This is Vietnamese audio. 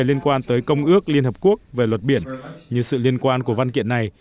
liên quan tới công ước liên hợp quốc về luật biển như sự liên quan của văn kiện này